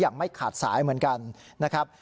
ไม่ขาดสายเหมือนกันนะครับ